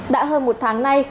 đã hơn một tháng nay